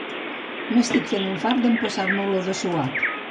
M'estic fent un fart d'empassar-me olor de suat.